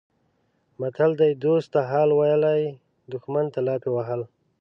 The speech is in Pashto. متل دی: دوست ته حال ویلی دښمن ته لافې وهل.